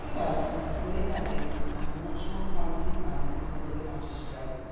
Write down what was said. Webb was a clear headed, and a much more talented man than his brother magistrate.